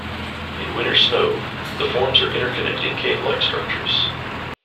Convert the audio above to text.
In winter snow, the forms are interconnecting, cave-like structures.